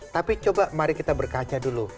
tapi coba mari kita berkaca dulu